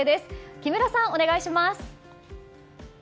木村さんお願いします。